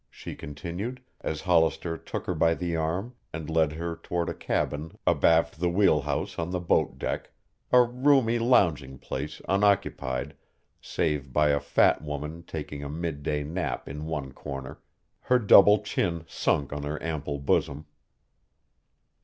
she continued, as Hollister took her by the arm and led her toward a cabin abaft the wheelhouse on the boat deck, a roomy lounging place unoccupied save by a fat woman taking a midday nap in one corner, her double chin sunk on her ample bosom.